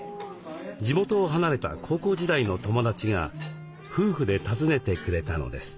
地元を離れた高校時代の友達が夫婦で訪ねてくれたのです。